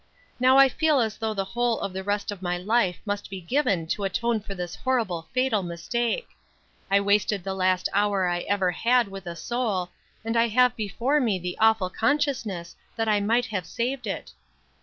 "Now I feel as though the whole of the rest of my life must be given to atone for this horrible fatal mistake. I wasted the last hour I ever had with a soul, and I have before me the awful consciousness that I might have saved it.